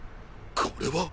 これは！